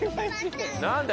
なんだ？